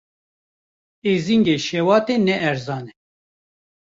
Êzingê şewatê ne erzan e.